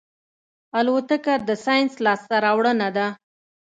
الوتکه د ساینس لاسته راوړنه ده.